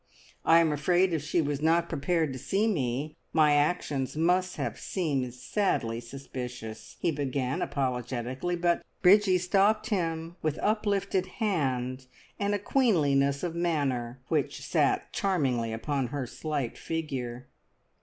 I am afraid, if she was not prepared to see me, my actions must have seemed sadly suspicious," he began apologetically; but Bridgie stopped him with uplifted hand, and a queenliness of manner which sat charmingly upon her slight figure.